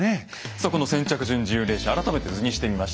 さあこの先着順自由連射改めて図にしてみました。